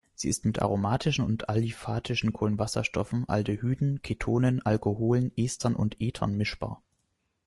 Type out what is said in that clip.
Sie ist mit aromatischen und aliphatischen Kohlenwasserstoffen, Aldehyden, Ketonen, Alkoholen, Estern und Ethern mischbar.